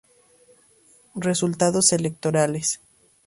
Resultados electorales